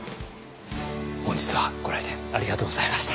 本日はご来店ありがとうございました。